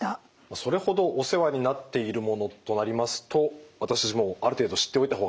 それほどお世話になっているものとなりますと私たちもある程度知っておいた方がいいですね。